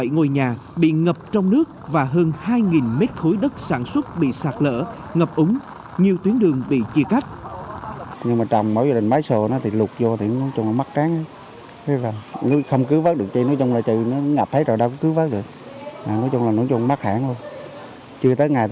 một bảy trăm bảy mươi bảy ngôi nhà bị ngập trong nước và hơn hai mét khối đất sản xuất bị sạt lỡ ngập úng nhiều tuyến đường bị chia cách